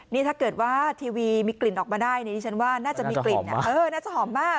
นี่ถ้าเกิดว่าทีวีมีกลิ่นออกมาได้ดิฉันว่าน่าจะมีกลิ่นน่าจะหอมมาก